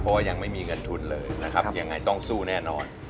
เพราะว่ายังไม่มีเงินทุนเลยนะครับยังไงต้องสู้แน่นอน